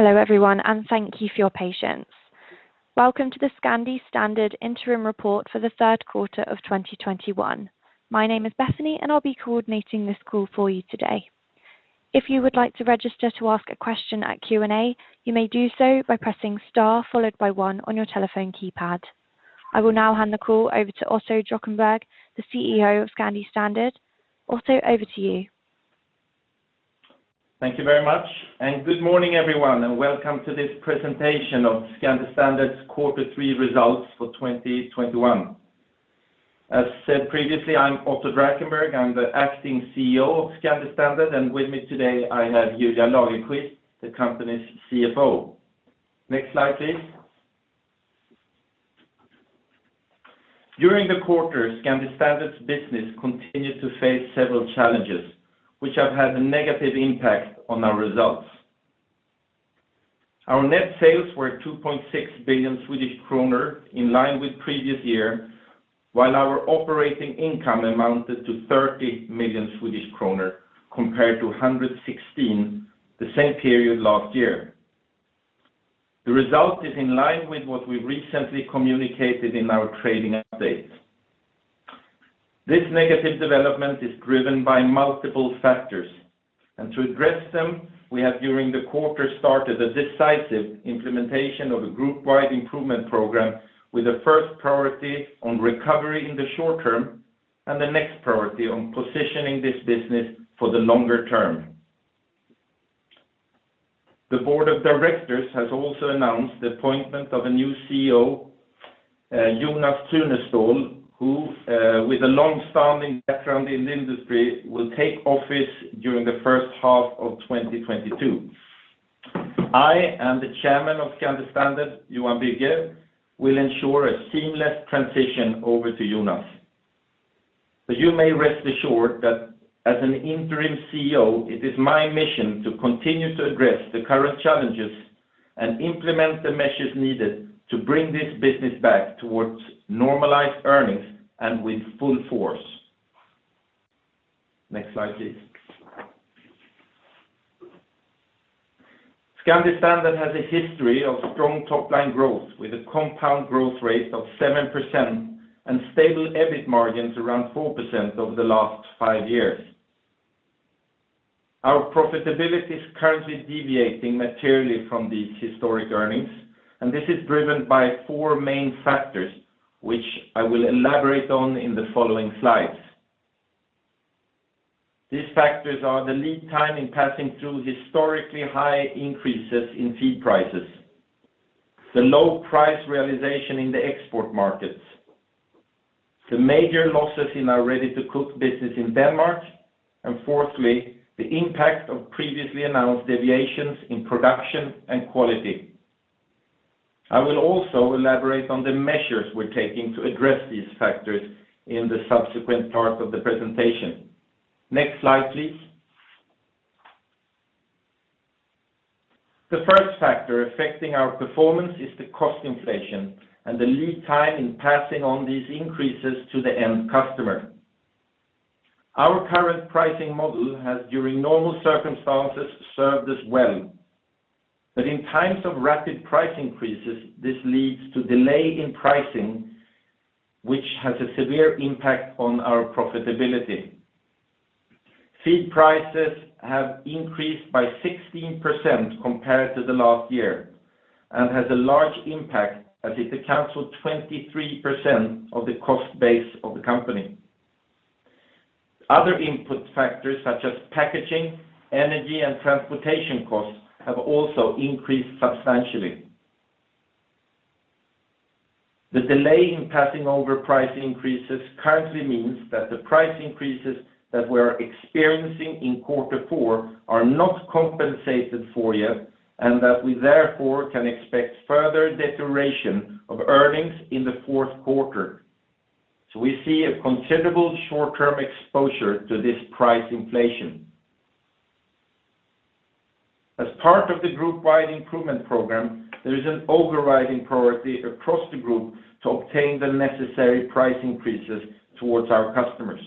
Hello everyone, and thank you for your patience. Welcome to the Scandi Standard Interim Report for the Third Quarter of 2021. My name is Bethany, and I'll be coordinating this call for you today. If you would like to register to ask a question at Q&A, you may do so by pressing star followed by one on your telephone keypad. I will now hand the call over to Otto Drakenberg, the CEO of Scandi Standard. Otto, over to you. Thank you very much. Good morning, everyone, and welcome to this presentation of Scandi Standard's Q3 2021 results. As said previously, I'm Otto Drakenberg. I'm the Acting CEO of Scandi Standard, and with me today, I have Julia Lagerqvist, the company's CFO. Next slide, please. During the quarter, Scandi Standard's business continued to face several challenges which have had a negative impact on our results. Our net sales were 2.6 billion Swedish kronor in line with previous year, while our operating income amounted to 30 million Swedish kronor compared to 116 million the same period last year. The result is in line with what we recently communicated in our trading updates. This negative development is driven by multiple factors, and to address them, we have, during the quarter, started a decisive implementation of a group-wide improvement program with the first priority on recovery in the short term and the next priority on positioning this business for the longer term. The board of directors has also announced the appointment of a new CEO, Jonas Tunestål, who, with a long-standing background in the industry, will take office during the first half of 2022. I and the Chairman of Scandi Standard, Johan Bygge, will ensure a seamless transition over to Jonas. You may rest assured that as an Interim CEO, it is my mission to continue to address the current challenges and implement the measures needed to bring this business back towards normalized earnings and with full force. Next slide, please. Scandi Standard has a history of strong top-line growth with a compound growth rate of 7% and stable EBIT margins around 4% over the last five years. Our profitability is currently deviating materially from these historic earnings, and this is driven by four main factors, which I will elaborate on in the following slides. These factors are the lead time in passing through historically high increases in feed prices, the low price realization in the export markets, the major losses in our Ready-to-Cook business in Denmark, and fourthly, the impact of previously announced deviations in production and quality. I will also elaborate on the measures we're taking to address these factors in the subsequent part of the presentation. Next slide, please. The first factor affecting our performance is the cost inflation and the lead time in passing on these increases to the end customer. Our current pricing model has, during normal circumstances, served us well, but in times of rapid price increases, this leads to delay in pricing, which has a severe impact on our profitability. Feed prices have increased by 16% compared to the last year and has a large impact as it accounts for 23% of the cost base of the company. Other input factors such as packaging, energy, and transportation costs have also increased substantially. The delay in passing over price increases currently means that the price increases that we're experiencing in quarter four are not compensated for yet, and that we therefore can expect further deterioration of earnings in the fourth quarter. We see a considerable short-term exposure to this price inflation. As part of the group-wide improvement program, there is an overriding priority across the group to obtain the necessary price increases towards our customers.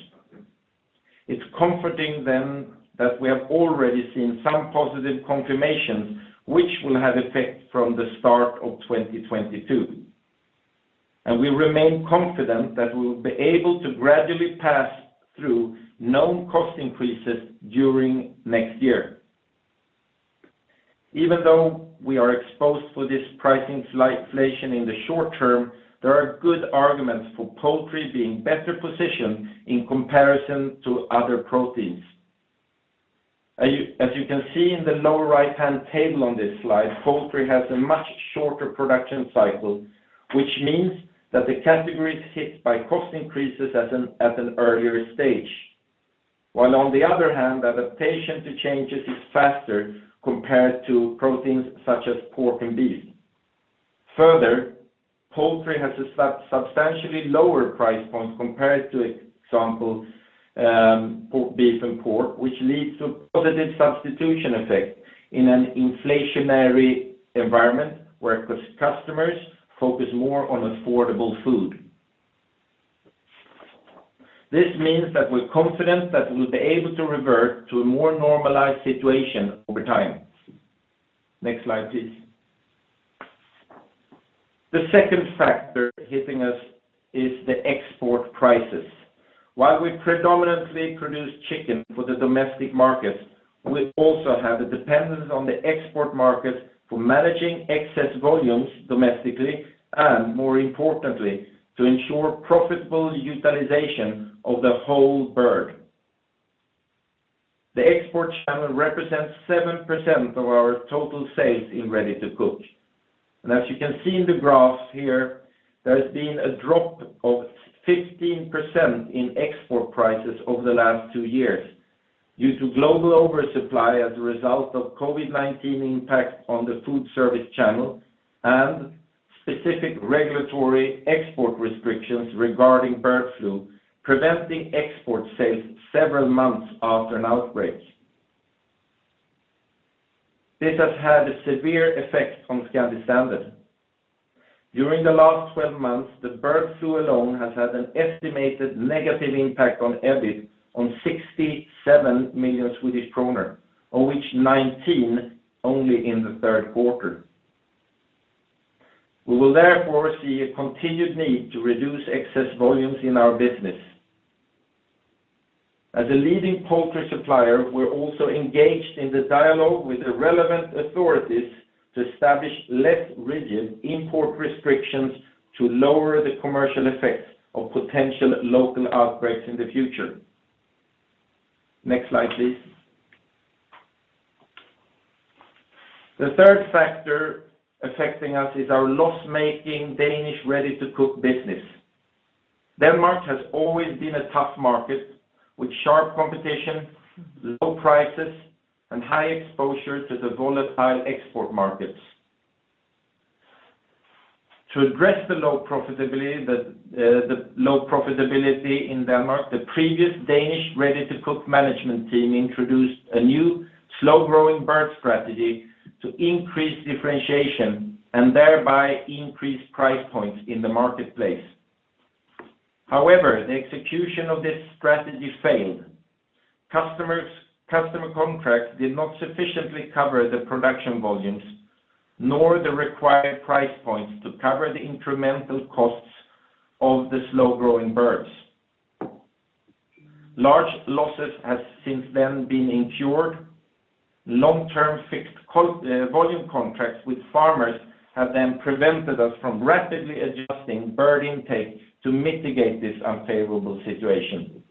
It's comforting then that we have already seen some positive confirmations which will have effect from the start of 2022, and we remain confident that we will be able to gradually pass through known cost increases during next year. Even though we are exposed to this price slight inflation in the short term, there are good arguments for poultry being better positioned in comparison to other proteins. As you can see in the lower right-hand table on this slide, poultry has a much shorter production cycle, which means that the category is hit by cost increases at an earlier stage. While on the other hand, adaptation to changes is faster compared to proteins such as pork and beef. Further, poultry has a substantially lower price point compared to, for example, pork, beef and pork, which leads to positive substitution effect in an inflationary environment where customers focus more on affordable food. This means that we're confident that we'll be able to revert to a more normalized situation over time. Next slide, please. The second factor hitting us is the export prices. While we predominantly produce chicken for the domestic markets, we also have a dependence on the export market for managing excess volumes domestically, and more importantly, to ensure profitable utilization of the whole bird. The export channel represents 7% of our total sales in Ready-to-Cook. As you can see in the graph here, there's been a drop of 15% in export prices over the last two years due to global oversupply as a result of COVID-19 impact on the food service channel and specific regulatory export restrictions regarding bird flu preventing export sales several months after an outbreak. This has had a severe effect on Scandi Standard. During the last 12 months, the bird flu alone has had an estimated negative impact on EBIT of 67 million Swedish kronor, of which 19 million only in the third quarter. We will therefore see a continued need to reduce excess volumes in our business. As a leading poultry supplier, we're also engaged in the dialogue with the relevant authorities to establish less rigid import restrictions to lower the commercial effects of potential local outbreaks in the future. Next slide, please. The third factor affecting us is our loss-making Danish Ready-to-Cook business. Denmark has always been a tough market with sharp competition, low prices, and high exposure to the volatile export markets. To address the low profitability in Denmark, the previous Danish Ready-to-Cook management team introduced a new slow-growing bird strategy to increase differentiation and thereby increase price points in the marketplace. However, the execution of this strategy failed. Customer contracts did not sufficiently cover the production volumes, nor the required price points to cover the incremental costs of the slow-growing birds. Large losses has since then been incurred. Long-term fixed volume contracts with farmers have then prevented us from rapidly adjusting bird intake to mitigate this unfavorable situation.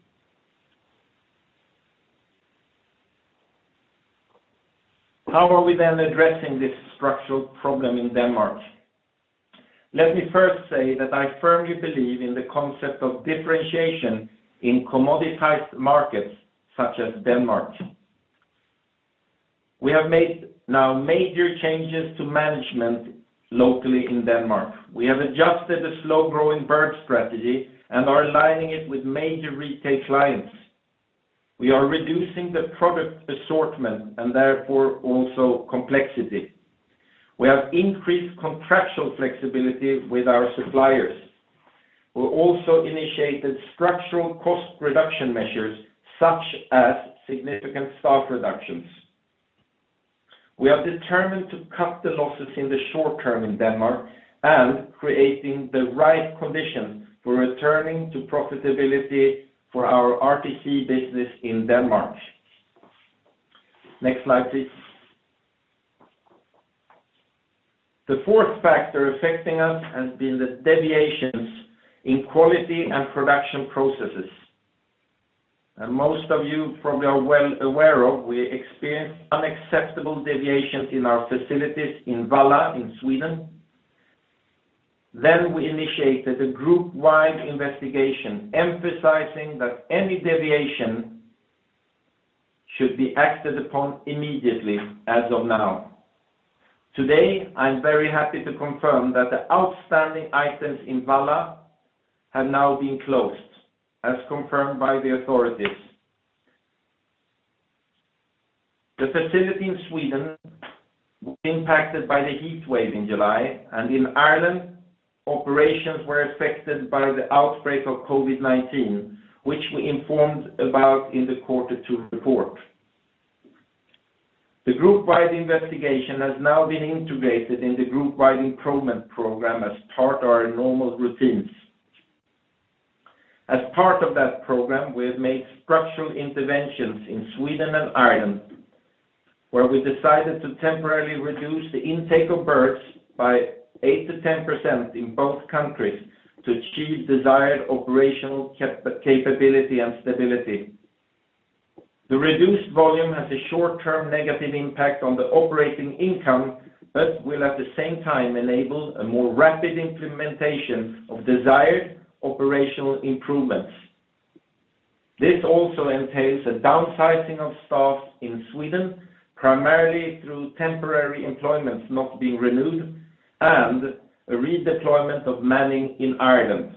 How are we then addressing this structural problem in Denmark? Let me first say that I firmly believe in the concept of differentiation in commoditized markets such as Denmark. We have made now major changes to management locally in Denmark. We have adjusted the slow-growing bird strategy and are aligning it with major retail clients. We are reducing the product assortment and therefore also complexity. We have increased contractual flexibility with our suppliers. We also initiated structural cost reduction measures such as significant staff reductions. We are determined to cut the losses in the short term in Denmark and creating the right conditions for returning to profitability for our RTC business in Denmark. Next slide, please. The fourth factor affecting us has been the deviations in quality and production processes. Most of you probably are well aware of, we experienced unacceptable deviations in our facilities in Valla in Sweden. We initiated a group-wide investigation emphasizing that any deviation should be acted upon immediately as of now. Today, I'm very happy to confirm that the outstanding items in Valla have now been closed, as confirmed by the authorities. The facility in Sweden was impacted by the heat wave in July, and in Ireland, operations were affected by the outbreak of COVID-19, which we informed about in the quarter two report. The group-wide investigation has now been integrated in the group-wide improvement program as part of our normal routines. As part of that program, we have made structural interventions in Sweden and Ireland, where we decided to temporarily reduce the intake of birds by 8%-10% in both countries to achieve desired operational capability and stability. The reduced volume has a short-term negative impact on the operating income, but will at the same time enable a more rapid implementation of desired operational improvements. This also entails a downsizing of staff in Sweden, primarily through temporary employments not being renewed and a redeployment of manning in Ireland.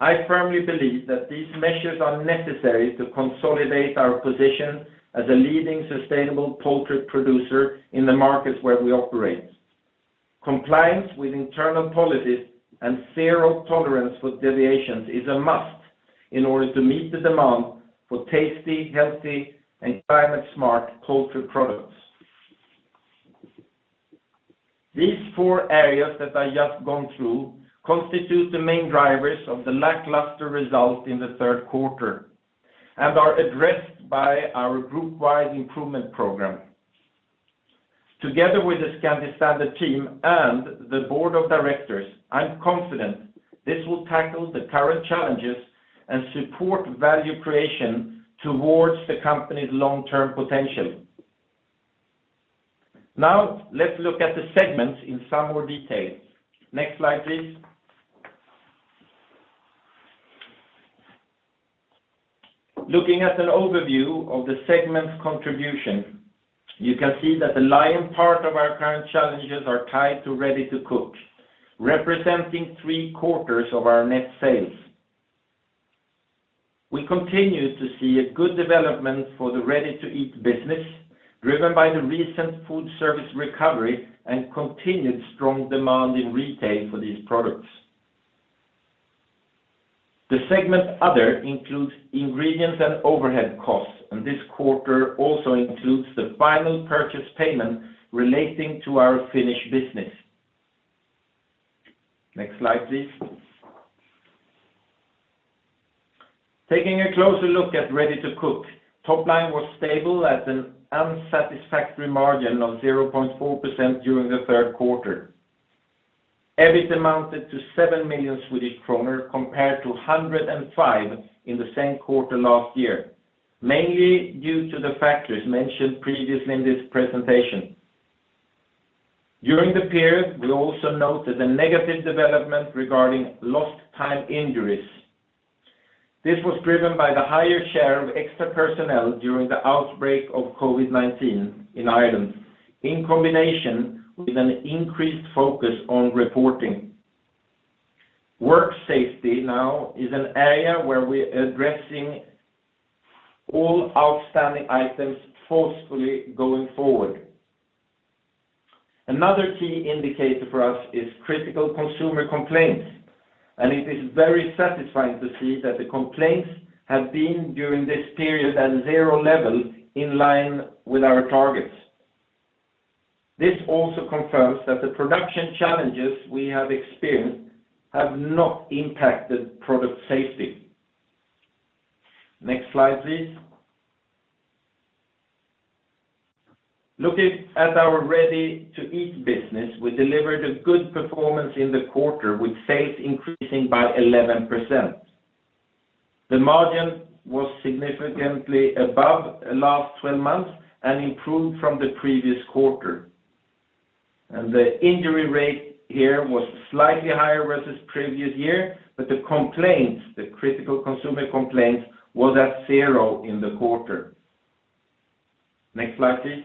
I firmly believe that these measures are necessary to consolidate our position as a leading sustainable poultry producer in the markets where we operate. Compliance with internal policies and zero tolerance with deviations is a must in order to meet the demand for tasty, healthy, and climate-smart poultry products. These four areas that I just gone through constitute the main drivers of the lackluster result in the third quarter, and are addressed by our group-wide improvement program. Together with the Scandi Standard team and the Board of Directors, I'm confident this will tackle the current challenges and support value creation towards the company's long-term potential. Now, let's look at the segments in some more detail. Next slide, please. Looking at an overview of the segment contribution, you can see that the lion's share of our current challenges are tied to Ready-to-Cook, representing three-quarters of our net sales. We continue to see a good development for the Ready-to-Eat business, driven by the recent food service recovery and continued strong demand in retail for these products. The segment Other includes ingredients and overhead costs, and this quarter also includes the final purchase payment relating to our Finnish business. Next slide, please. Taking a closer look at Ready-to-Cook, top line was stable at an unsatisfactory margin of 0.4% during the third quarter. EBIT amounted to 7 million Swedish kronor compared to 105 million in the same quarter last year, mainly due to the factors mentioned previously in this presentation. During the period, we also noted a negative development regarding Lost Time Injuries. This was driven by the higher share of extra personnel during the outbreak of COVID-19 in Ireland, in combination with an increased focus on reporting. Work safety now is an area where we're addressing all outstanding items forcefully going forward. Another key indicator for us is critical consumer complaints, and it is very satisfying to see that the complaints have been during this period at zero level in line with our targets. This also confirms that the production challenges we have experienced have not impacted product safety. Next slide, please. Looking at our Ready-to-Eat business, we delivered a good performance in the quarter with sales increasing by 11%. The margin was significantly above the last 12 months and improved from the previous quarter. The injury rate here was slightly higher versus previous year, but the complaints, the critical consumer complaints, was at zero in the quarter. Next slide, please.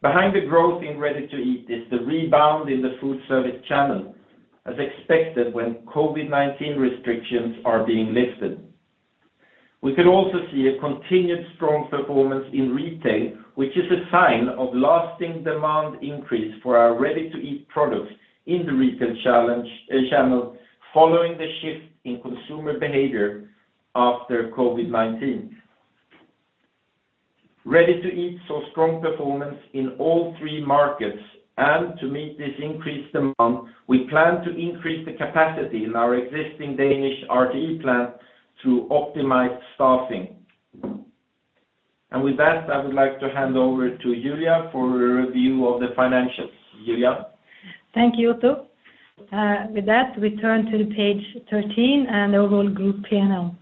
Behind the growth in Ready-to-Eat is the rebound in the food service channel as expected when COVID-19 restrictions are being lifted. We could also see a continued strong performance in retail, which is a sign of lasting demand increase for our Ready-to-Eat products in the retail channel, following the shift in consumer behavior after COVID-19. Ready-to-Eat saw strong performance in all three markets, and to meet this increased demand, we plan to increase the capacity in our existing Danish RTE plant through optimized staffing. With that, I would like to hand over to Julia for a review of the financials. Julia? Thank you, Otto. With that, we turn to page 13 and the overall group P&L.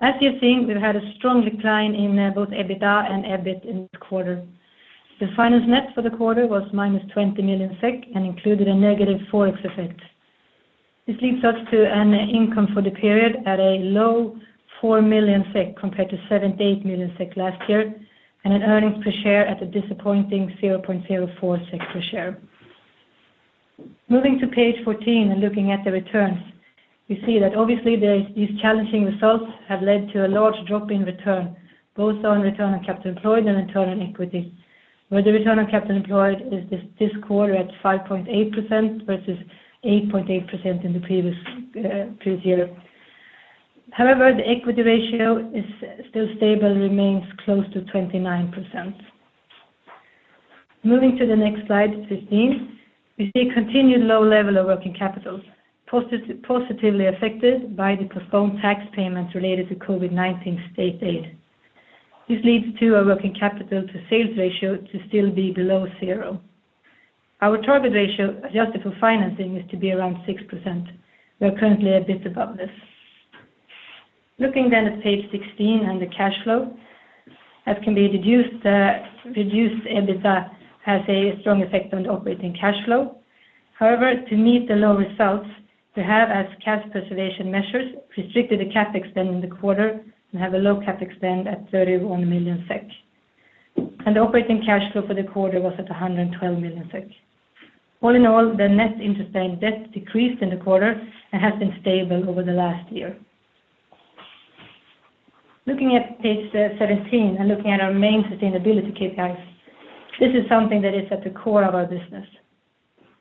As you're seeing, we've had a strong decline in both EBITDA and EBIT in the quarter. The finance net for the quarter was minus 20 million SEK and included a negative forex effect. This leads us to an income for the period at a low 4 million SEK compared to 78 million SEK last year, and an earnings per share at a disappointing 0.04 SEK per share. Moving to page 14 and looking at the returns, we see that obviously, these challenging results have led to a large drop in return, both on Return on Capital Employed and Return on Equity. Where the Return on Capital Employed is this quarter at 5.8% versus 8.8% in the previous year. However, the Equity Ratio is still stable and remains close to 29%. Moving to the next Slide 15, we see continued low level of working capital, positively affected by the postponed tax payments related to COVID-19 State aid. This leads to a working capital to sales ratio to still be below zero. Our target ratio, adjusted for financing, is to be around 6%. We are currently a bit above this. Looking then at page 16 and the cash flow, as can be deduced, the reduced EBITDA has a strong effect on the operating cash flow. However, to meet the low results, we have as cash preservation measures restricted the CapEx spend in the quarter and have a low CapEx spend at 31 million SEK. The operating cash flow for the quarter was at 112 million SEK. All in all, the net interest and debt decreased in the quarter and has been stable over the last year. Looking at page 17 and looking at our main sustainability KPIs, this is something that is at the core of our business.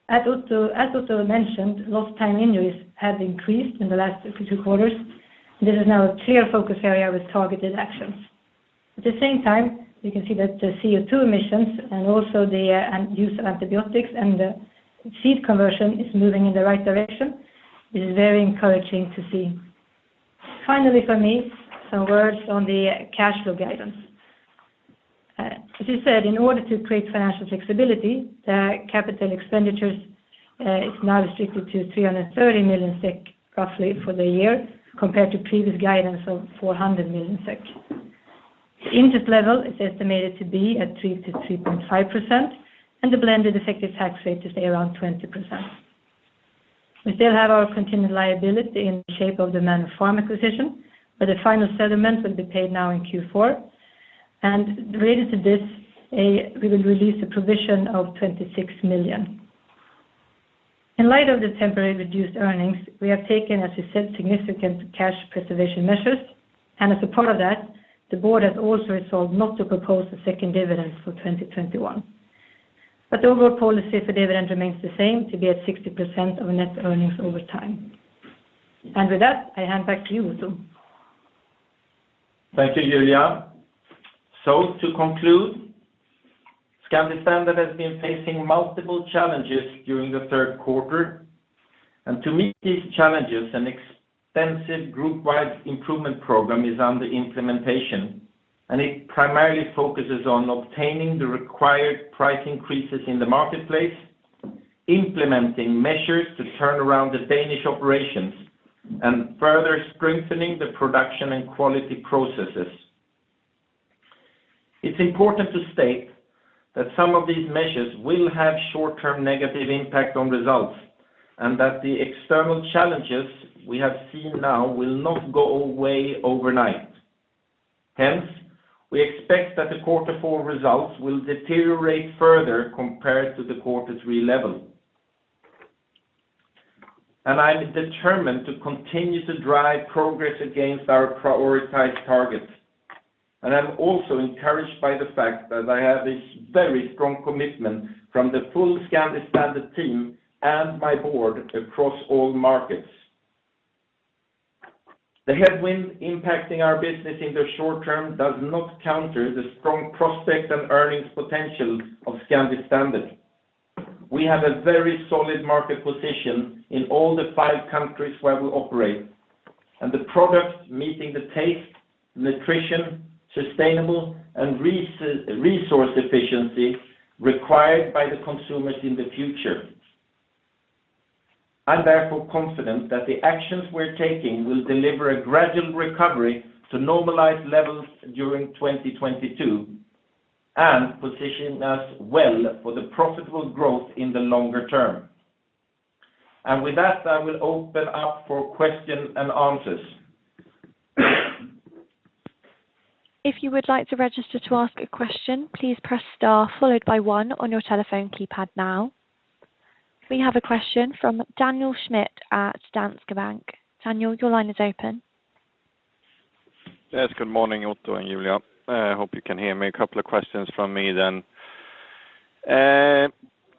As Otto mentioned, Lost Time Injuries have increased in the last two quarters. This is now a clear focus area with targeted actions. At the same time, you can see that the CO2 emissions and also the use of antibiotics and the feed conversion is moving in the right direction. It is very encouraging to see. Finally for me, some words on the cash flow guidance. As you said, in order to create financial flexibility, the capital expenditures is now restricted to 300 million SEK roughly for the year compared to previous guidance of 400 million SEK. The interest level is estimated to be at 3%-3.5%, and the blended effective tax rate to stay around 20%. We still have our continued liability in the shape of the Manor Farm acquisition, but the final settlement will be paid now in Q4. Related to this, we will release a provision of 26 million. In light of the temporary reduced earnings, we have taken, as you said, significant cash preservation measures. As a part of that, the board has also resolved not to propose a second dividend for 2021. The overall policy for dividend remains the same to be at 60% of net earnings over time. With that, I hand back to you, Otto. Thank you, Julia. To conclude, Scandi Standard has been facing multiple challenges during the third quarter. To meet these challenges, an extensive group-wide improvement program is under implementation, and it primarily focuses on obtaining the required price increases in the marketplace, implementing measures to turn around the Danish operations, and further strengthening the production and quality processes. It's important to state that some of these measures will have short-term negative impact on results, and that the external challenges we have seen now will not go away overnight. Hence, we expect that the quarter four results will deteriorate further compared to the quarter three level. I'm determined to continue to drive progress against our prioritized targets. I'm also encouraged by the fact that I have a very strong commitment from the full Scandi Standard team and my board across all markets. The headwind impacting our business in the short term does not counter the strong prospects and earnings potential of Scandi Standard. We have a very solid market position in all the five countries where we operate, and the products meeting the taste, nutrition, sustainable, and resource efficiency required by the consumers in the future. I'm therefore confident that the actions we're taking will deliver a gradual recovery to normalized levels during 2022 and position us well for the profitable growth in the longer term. With that, I will open up for questions and answers. If you would like to register to ask a question, please press star followed by one on your telephone keypad now. We have a question from Daniel Schmidt at Danske Bank. Daniel, your line is open. Yes. Good morning, Otto and Julia. I hope you can hear me. A couple of questions from me then.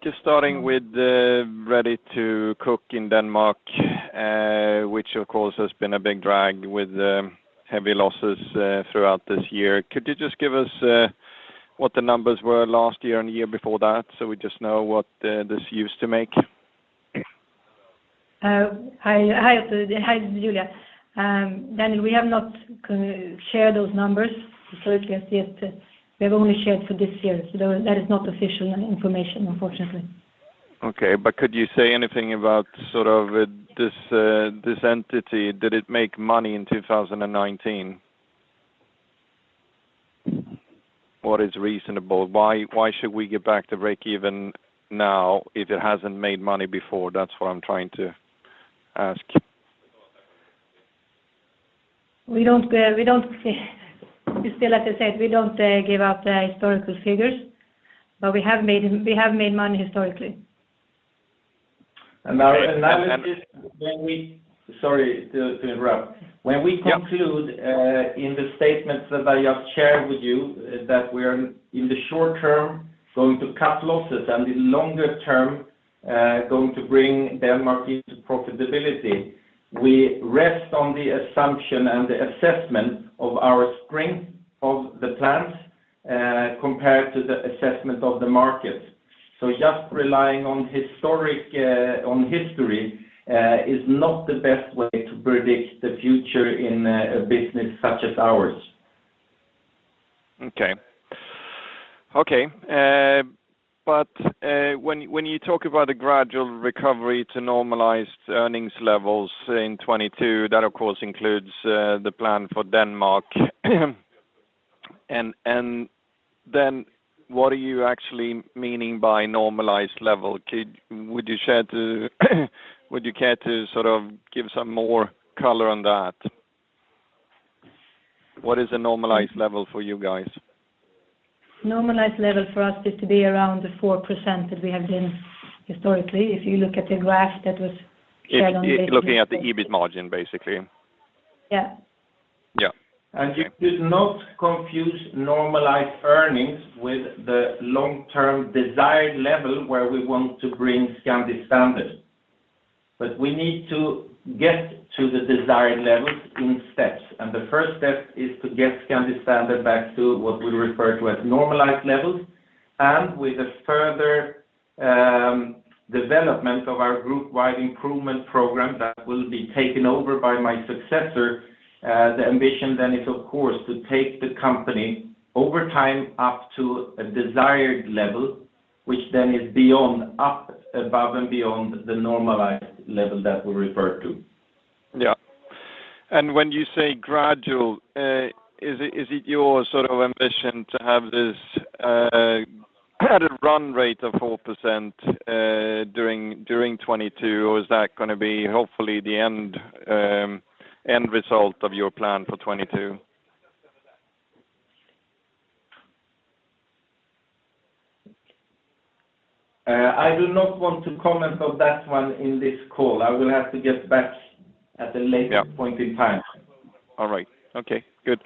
Just starting with Ready-to-Cook in Denmark, which of course has been a big drag with heavy losses throughout this year. Could you just give us what the numbers were last year and the year before that, so we just know what this used to make? Hi Daniel, we have not shared those numbers. We have only shared for this year. That is not official information, unfortunately. Okay. Could you say anything about sort of this entity? Did it make money in 2019? What is reasonable? Why should we get back to break even now if it hasn't made money before? That's what I'm trying to ask. Still, as I said, we don't give out the historical figures, but we have made money historically. When we conclude in the statements that I have shared with you that we're in the short term going to cut losses and in longer term going to bring Denmark into profitability, we rest on the assumption and the assessment of our strength of the plans compared to the assessment of the market. Just relying on history is not the best way to predict the future in a business such as ours. When you talk about a gradual recovery to normalized earnings levels in 2022, that of course includes the plan for Denmark. What are you actually mean by normalized level? Would you care to sort of give some more color on that? What is a normalized level for you guys? Normalized level for us is to be around the 4% that we have been historically. If you look at the graph that was shared. Looking at the EBIT margin, basically. Yeah. Yeah. You could not confuse normalized earnings with the long-term desired level where we want to bring Scandi Standard. We need to get to the desired levels in steps, and the first step is to get Scandi Standard back to what we refer to as normalized levels. With a further development of our group-wide improvement program that will be taken over by my successor, the ambition then is, of course, to take the company over time up to a desired level, which then is beyond, up above and beyond the normalized level that we refer to. Yeah. When you say gradual, is it your sort of ambition to have this at a run rate of 4% during 2022 or is that gonna be hopefully the end result of your plan for 2022? I do not want to comment on that one in this call. I will have to get back at a later point in time. All right. Okay, good.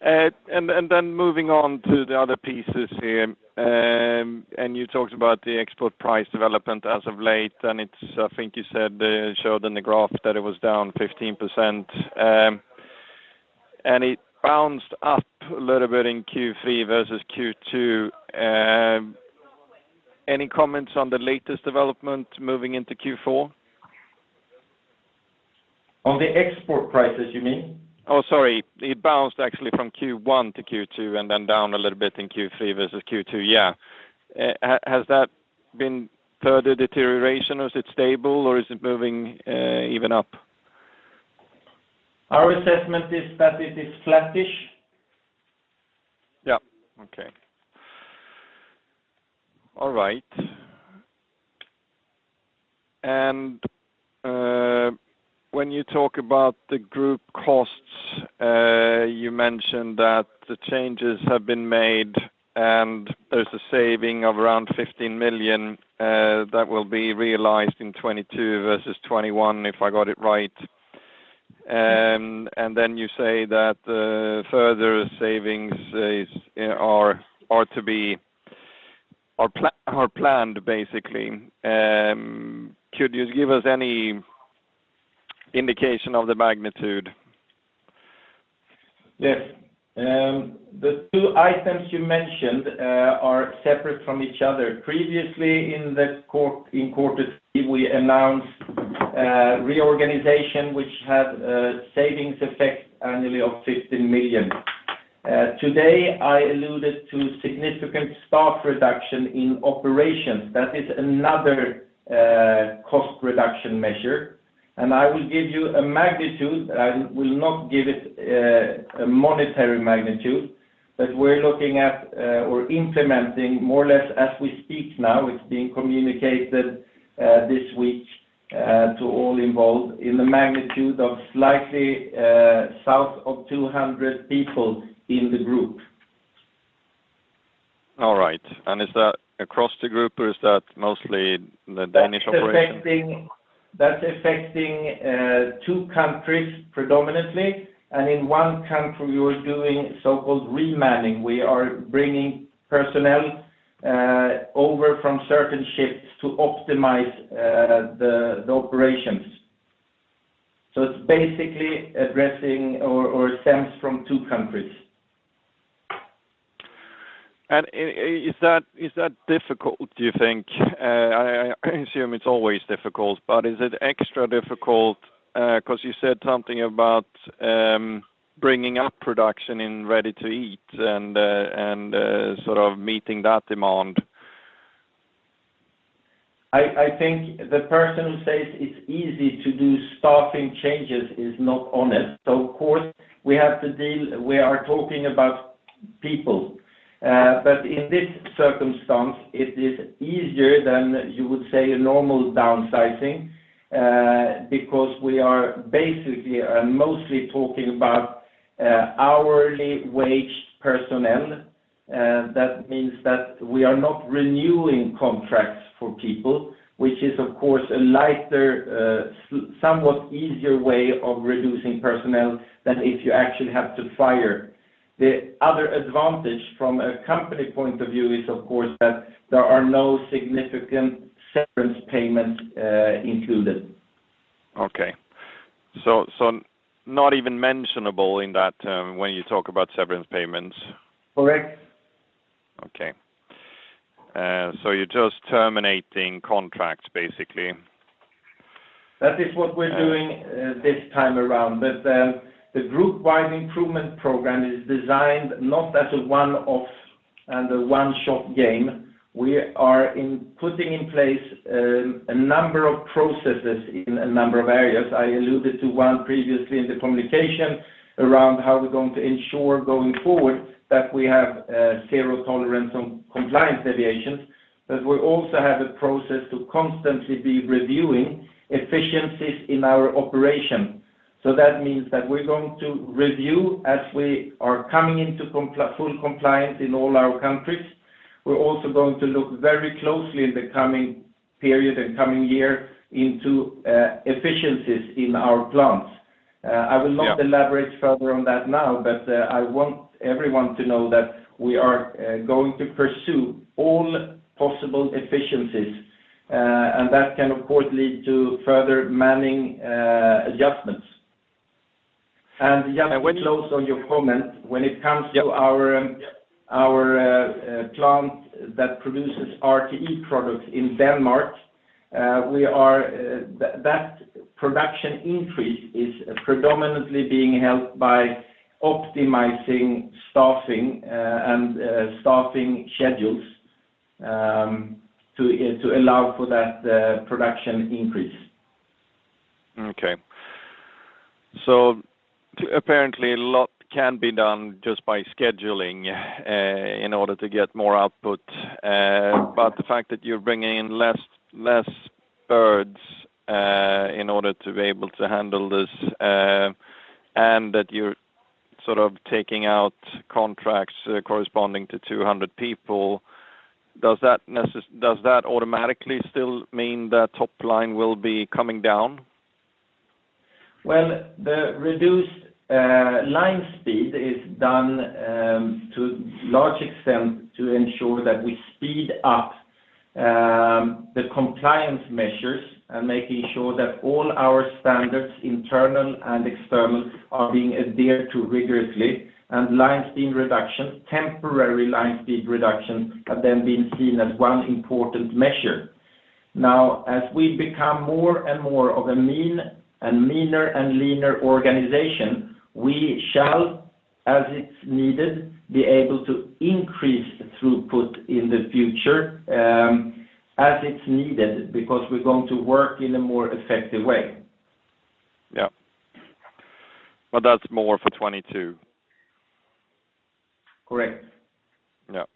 Then moving on to the other pieces here. You talked about the export price development as of late, and it's, I think you said, showed in the graph that it was down 15%. It bounced up a little bit in Q3 versus Q2. Any comments on the latest development moving into Q4? On the export prices, you mean? Oh, sorry. It bounced actually from Q1 to Q2 and then down a little bit in Q3 versus Q2. Yeah. Has that been further deterioration or is it stable or is it moving, even up? Our assessment is that it is flattish. Yeah. Okay. All right. When you talk about the group costs, you mentioned that the changes have been made and there's a saving of around 15 million that will be realized in 2022 versus 2021, if I got it right. Then you say that further savings are planned, basically. Could you give us any indication of the magnitude? Yes. The two items you mentioned are separate from each other. Previously in quarter three, we announced reorganization which had savings effect annually of 15 million. Today, I alluded to significant staff reduction in operations. That is another cost reduction measure. I will give you a magnitude. I will not give it a monetary magnitude, but we're looking at or implementing more or less as we speak now. It's being communicated this week to all involved in the magnitude of slightly south of 200 people in the group. All right. Is that across the group or is that mostly the Danish operation? That's affecting two countries predominantly. In one country, we are doing so-called remanning. We are bringing personnel over from certain shifts to optimize the operations. It's basically addressing or stems from two countries. Is that difficult, do you think? I assume it's always difficult, but is it extra difficult? Because you said something about bringing up production in Ready-to-Eat and sort of meeting that demand. I think the person who says it's easy to do staffing changes is not honest. Of course, we are talking about people. In this circumstance, it is easier than you would say a normal downsizing, because we are basically and mostly talking about hourly wage personnel. That means that we are not renewing contracts for people, which is of course a lighter, somewhat easier way of reducing personnel than if you actually have to fire. The other advantage from a company point of view is of course that there are no significant severance payments included. Okay. Not even mentionable in that term when you talk about severance payments? Correct. Okay. You're just terminating contracts, basically? That is what we're doing this time around. The group-wide improvement program is designed not as a one-off and a one-shot game. We are putting in place a number of processes in a number of areas. I alluded to one previously in the communication around how we're going to ensure going forward that we have zero tolerance on compliance deviations, but we also have a process to constantly be reviewing efficiencies in our operation. That means that we're going to review as we are coming into full compliance in all our countries. We're also going to look very closely in the coming period and coming year into efficiencies in our plants. I will not elaborate further on that now, but I want everyone to know that we are going to pursue all possible efficiencies. That can, of course, lead to further manning adjustments. Dan, I will close on your comment when it comes to- Our plant that produces RTE products in Denmark. That production increase is predominantly being helped by optimizing staffing and staffing schedules to allow for that production increase. Okay. Apparently a lot can be done just by scheduling in order to get more output. But the fact that you're bringing in less birds in order to be able to handle this, and that you're sort of taking out contracts corresponding to 200 people, does that automatically still mean the top line will be coming down? Well, the reduced line speed is done to large extent to ensure that we speed up the compliance measures and making sure that all our standards, internal and external, are being adhered to rigorously. Temporary line speed reduction have then been seen as one important measure. Now, as we become more and more of a meaner and leaner organization, we shall, as it's needed, be able to increase throughput in the future, as it's needed, because we're going to work in a more effective way. Yeah. That's more for 2022? Correct. Yeah.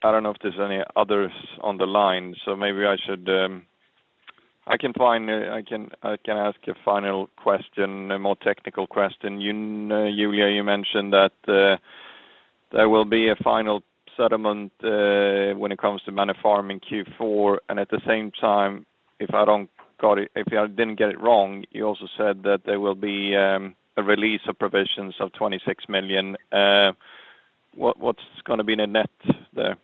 I don't know if there's any others on the line, so maybe I should ask a final question, a more technical question. Julia, you mentioned that there will be a final settlement when it comes to Manor Farm in Q4. At the same time, if I didn't get it wrong, you also said that there will be a release of provisions of 26 million. What's gonna be the net there?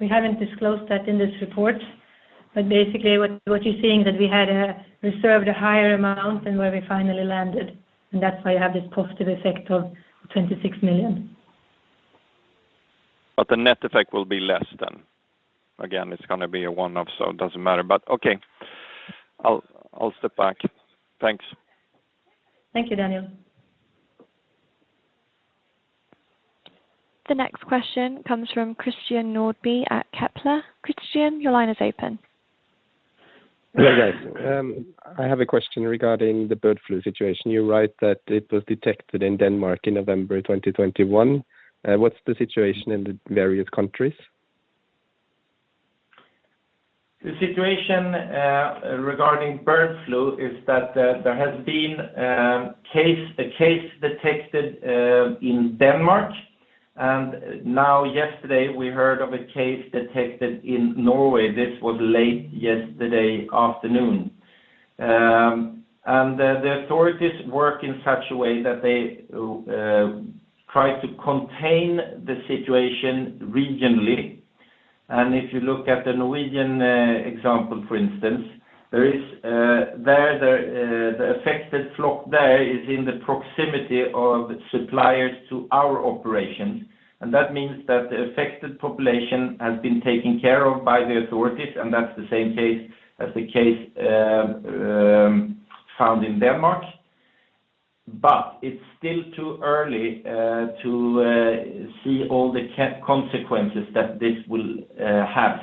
We haven't disclosed that in this report, but basically what you're seeing that we had reserved a higher amount than where we finally landed, and that's why you have this positive effect of 26 million. The net effect will be less than. Again, it's gonna be a one-off, so it doesn't matter. Okay. I'll step back. Thanks. Thank you, Daniel. The next question comes from Christian Nordby at Kepler. Christian, your line is open. Yeah. I have a question regarding the bird flu situation. You write that it was detected in Denmark in November 2021. What's the situation in the various countries? The situation regarding bird flu is that there has been a case detected in Denmark, and now yesterday we heard of a case detected in Norway. This was late yesterday afternoon. The authorities work in such a way that they try to contain the situation regionally. If you look at the Norwegian example, for instance, the affected flock is in the proximity of suppliers to our operations. That means that the affected population has been taken care of by the authorities, and that's the same case as the case found in Denmark. It's still too early to see all the consequences that this will have.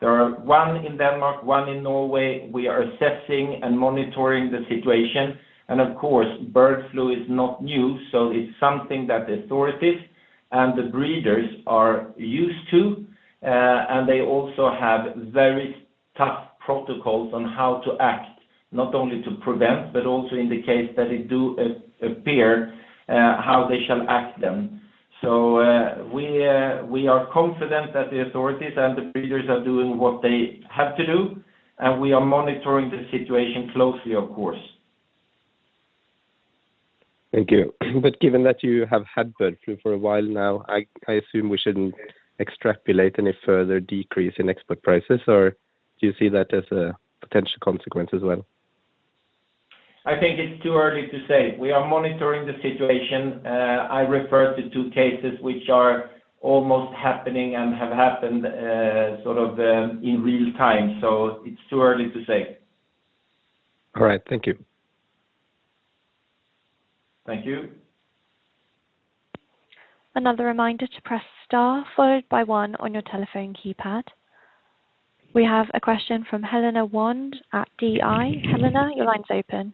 There are one in Denmark, one in Norway. We are assessing and monitoring the situation. Of course, bird flu is not new, so it's something that the authorities and the breeders are used to. They also have very tough protocols on how to act, not only to prevent, but also in the case that it do appear, how they shall act then. We are confident that the authorities and the breeders are doing what they have to do, and we are monitoring the situation closely, of course. Thank you. Given that you have had bird flu for a while now, I assume we shouldn't extrapolate any further decrease in export prices, or do you see that as a potential consequence as well? I think it's too early to say. We are monitoring the situation. I refer to two cases which are almost happening and have happened, sort of, in real time, so it's too early to say. All right. Thank you. Thank you. Another reminder to press star followed by one on your telephone keypad. We have a question from Helena Wande at DI. Helena, your line's open.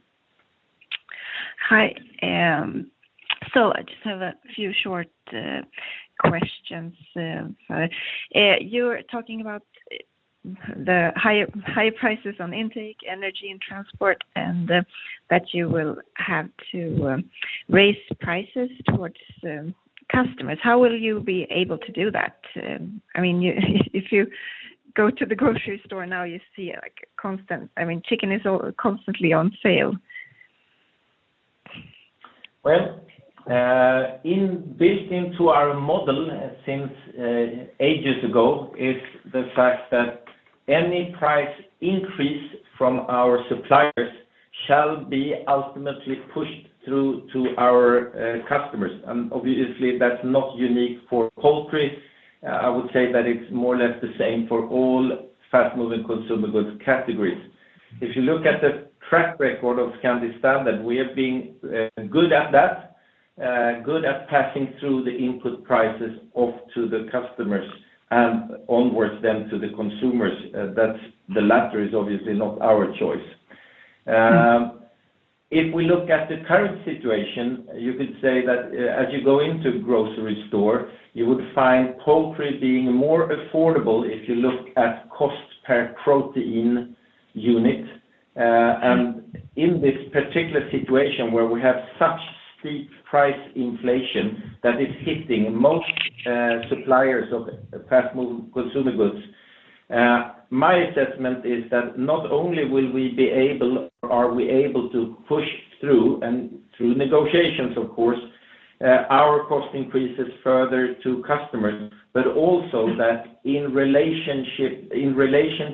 Hi. I just have a few short questions. You're talking about the high prices on intake, energy and transport, and that you will have to raise prices towards customers. How will you be able to do that? I mean, if you go to the grocery store now you see, like, I mean, chicken is all constantly on sale. Well, built into our model since ages ago is the fact that any price increase from our suppliers shall be ultimately pushed through to our customers. Obviously, that's not unique for poultry. I would say that it's more or less the same for all fast-moving consumer goods categories. If you look at the track record of Scandi Standard, we have been good at that, good at passing through the input prices off to the customers and onwards then to the consumers. That's the latter is obviously not our choice. If we look at the current situation, you could say that as you go into grocery store, you would find poultry being more affordable if you look at cost per protein unit. In this particular situation where we have such steep price inflation that is hitting most suppliers of fast-moving consumer goods, my assessment is that not only will we be able or are we able to push through, and through negotiations of course, our cost increases further to customers, but also that in relation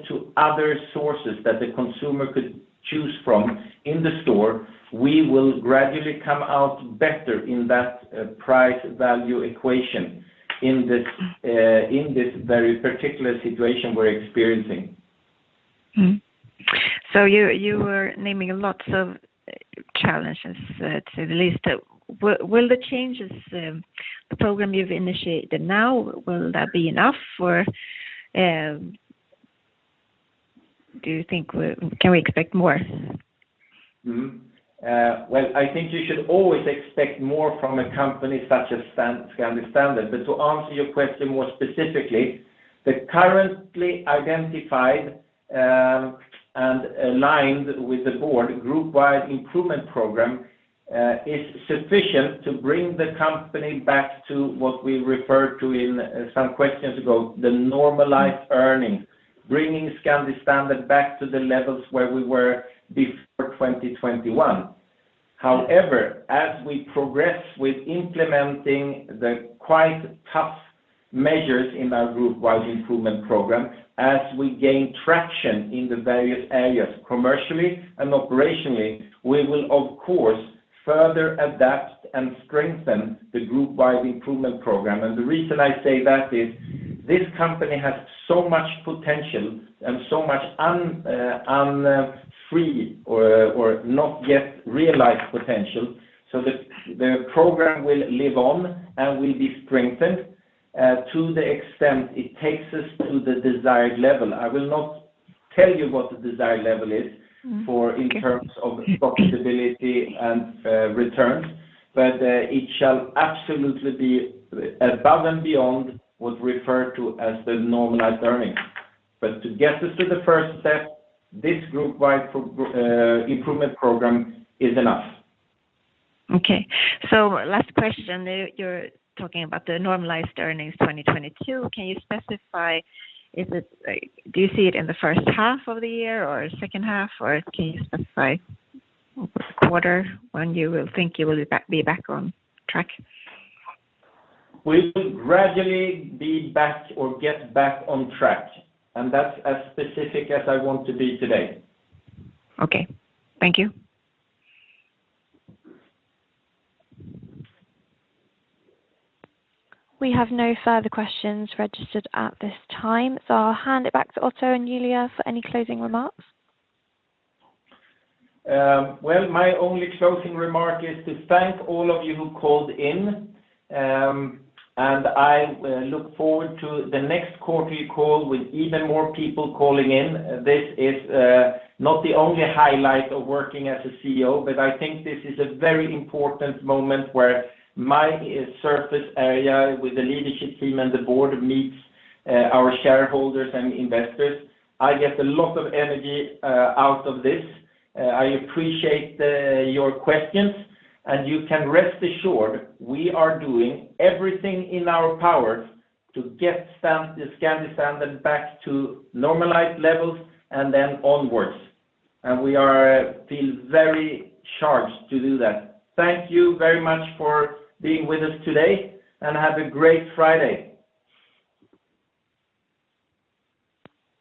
to other sources that the consumer could choose from in the store, we will gradually come out better in that price value equation in this very particular situation we're experiencing. Mm-hmm. You were naming lots of challenges at least. Will the changes, the program you've initiated now, be enough or do you think we can expect more? Well, I think you should always expect more from a company such as Scandi Standard. To answer your question more specifically, the currently identified and aligned with the board group-wide improvement program is sufficient to bring the company back to what we referred to in some questions ago, the normalized earnings, bringing Scandi Standard back to the levels where we were before 2021. However, as we progress with implementing the quite tough measures in our group-wide improvement program, as we gain traction in the various areas commercially and operationally, we will of course further adapt and strengthen the group-wide improvement program. The reason I say that is this company has so much potential and so much not yet realized potential, so the program will live on and will be strengthened to the extent it takes us to the desired level. I will not tell you what the desired level is. For in terms of profitability and returns, but it shall absolutely be above and beyond what is referred to as the normalized earnings. To get us to the first step, this group-wide improvement program is enough. Okay. Last question. You're talking about the normalized earnings 2022. Do you see it in the first half of the year or second half, or can you specify quarter when you will think you will be back on track? We will gradually be back or get back on track, and that's as specific as I want to be today. Okay. Thank you. We have no further questions registered at this time, so I'll hand it back to Otto and Julia for any closing remarks. Well, my only closing remark is to thank all of you who called in, and I look forward to the next quarterly call with even more people calling in. This is not the only highlight of working as a CEO, but I think this is a very important moment where my surface area with the leadership team and the board meets our shareholders and investors. I get a lot of energy out of this. I appreciate your questions, and you can rest assured we are doing everything in our power to get Scandi Standard back to normalized levels and then onwards, and we feel very charged to do that. Thank you very much for being with us today, and have a great Friday.